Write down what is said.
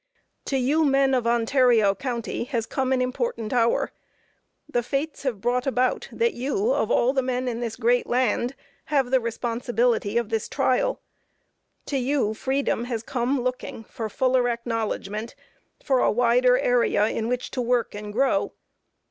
To you, men of Ontario county, has come an important hour. The fates have brought about that you, of all the men in this great land, have the responsibility of this trial. To you, freedom has come looking for fuller acknowledgement, for a wider area in which to work and grow.